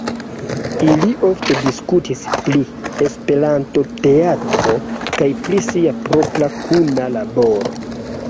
Ili ofte diskutis pri esperantoteatro kaj pri sia propra kuna laboro.